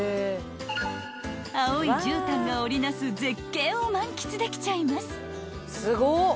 ［青いじゅうたんが織り成す絶景を満喫できちゃいます］